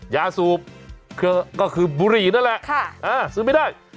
สูบก็คือบุหรี่นั่นแหละซื้อไม่ได้